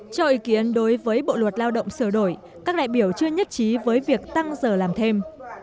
cho ý kiến đối với bộ luật lao động sửa đổi các đại biểu chưa nhất trí với việc tăng giờ làm thêm